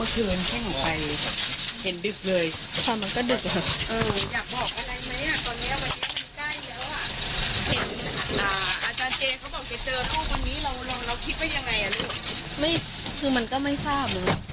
คือมันก็ไม่ทราบเลย